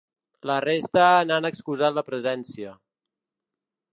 La resta n’han excusat la presència.